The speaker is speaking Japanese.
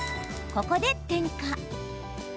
ここで点火。